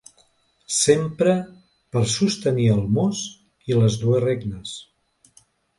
S'empra per a sostenir el mos i les dues regnes.